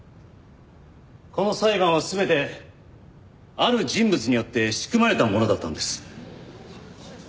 この裁判は全てある人物によって仕組まれたものだったんです。